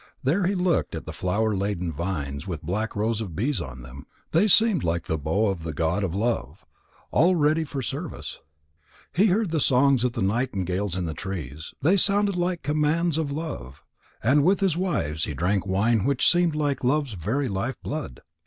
There he looked at the flower laden vines with black rows of bees on them; they seemed like the bow of the god of love, all ready for service. He heard the songs of nightingales in the trees; they sounded like commands of Love. And with his wives he drank wine which seemed like Love's very life blood.